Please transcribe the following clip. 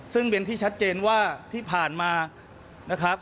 ซึ่งเป็นที่ชัดเจนว่าที่ผ่านมานะครับ